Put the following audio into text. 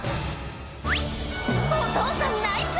お父さんナイス！